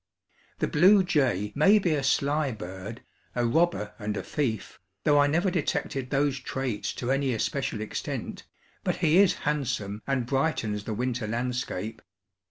The blue jay may be a sly bird, a "robber and a thief," though I never detected those traits to any especial extent; but he is handsome and brightens the winter landscape.